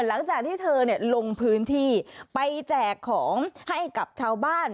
หลังจากที่เธอลงพื้นที่ไปแจกของให้กับชาวบ้าน